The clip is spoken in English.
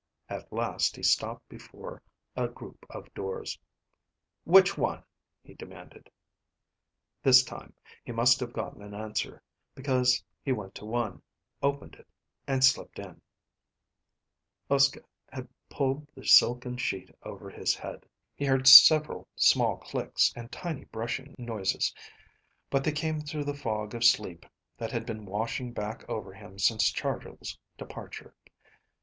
At last he stopped before a group of doors. "Which one?" he demanded. This time he must have gotten an answer, because he went to one, opened it, and slipped in. Uske had pulled the silken sheet over his head. He heard several small clicks and tiny brushing noises, but they came through the fog of sleep that had been washing back over him since Chargill's departure.